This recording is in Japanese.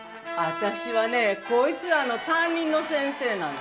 私はね、こいつらの担任の先生なの。